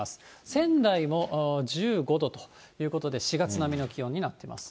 仙台も１５度ということで、４月並みの気温になってます。